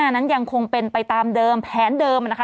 นั้นยังคงเป็นไปตามเดิมแผนเดิมนะคะ